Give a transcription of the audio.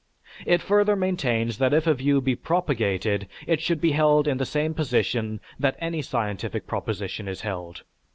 It further maintains that if a view be propagated it should be held in the same position that any scientific proposition is held.